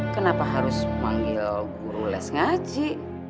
kenapa harus manggil guru les ngaji